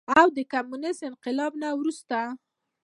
او د کميونسټ انقلاب نه وروستو